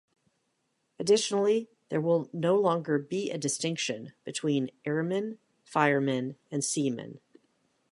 Additionally, there will no longer be a distinction between 'airman, fireman and seaman.